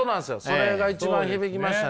それが一番響きましたね。